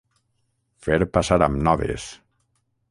Fer passar amb noves.